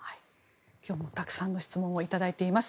今日もたくさんの質問を頂いています。